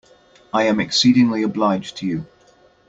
I am exceedingly obliged to you.